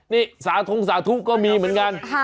นี่สาทุ้งก็มีเหมือนกัน